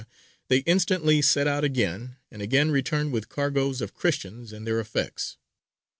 they instantly set out again, and again return with cargoes of Christians and their effects.